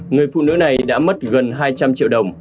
người phụ nữ này đã mất gần hai trăm linh triệu đồng